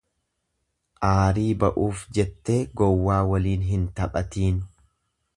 Aarii ba'uuf jettee gowwaa waliin hin taphatiin.